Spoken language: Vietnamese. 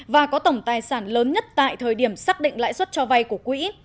và có tổng tài sản lớn nhất tại thời điểm xác định lãi suất cho vay của quỹ